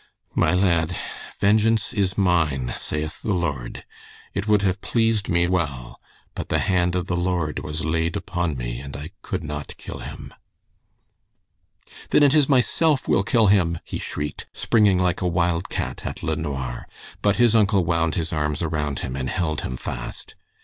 "My lad, 'Vengeance is mine saith the Lord.' It would have pleased me well, but the hand of the Lord was laid upon me and I could not kill him." "Then it is myself will kill him," he shrieked, springing like a wildcat at LeNoir. But his uncle wound his arms around him and held him fast.